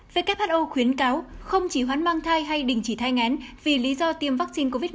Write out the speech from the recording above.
who khuyến cáo không chỉ hoãn mang thai hay đình chỉ thai ngén vì lý do tiêm vaccine covid một mươi chín